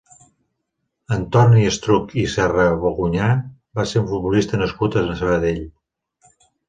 Antoni Estruch i Serrabogunyà va ser un futbolista nascut a Sabadell.